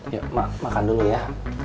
yuk makan dulu ya